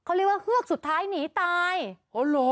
เขาเรียกว่าเฮือกสุดท้ายหนีตายอ๋อเหรอ